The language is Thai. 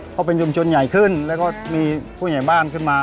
เพราะเป็นชุมชนใหญ่ขึ้นแล้วก็มีผู้ใหญ่บ้านขึ้นมา